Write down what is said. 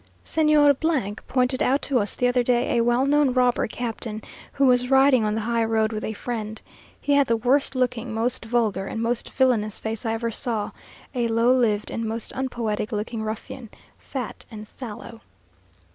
Señor pointed out to us the other day a well known robber captain, who was riding on the high road with a friend. He had the worst looking, most vulgar, and most villainous face I ever saw; a low lived and most unpoetic looking ruffian; fat and sallow.